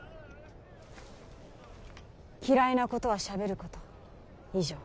嫌いなことはしゃべること以上。